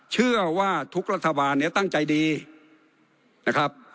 เชื่อว่าทุกรัฐบาลเนี่ยตั้งใจดีนะครับ